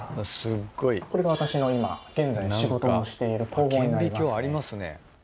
これが私の今現在仕事もしている工房になりますね。